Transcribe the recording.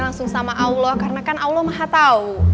langsung sama allah karena kan allah maha tahu